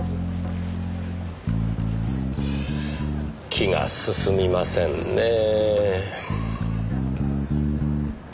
気が進みませんねぇ。